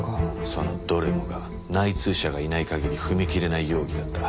そのどれもが内通者がいない限り踏み切れない容疑だった。